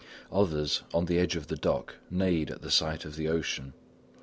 Others, on the edge of the dock, neighed at the sight of the ocean.